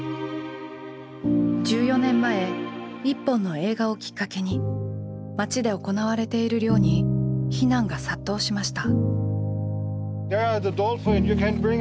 １４年前１本の映画をきっかけに町で行われている漁に非難が殺到しました。